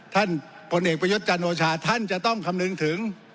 ผลเอกประยุทธ์จันโอชาท่านจะต้องคำนึงถึง